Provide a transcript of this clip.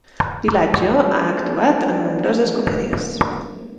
Villaggio ha actuat en nombroses comèdies.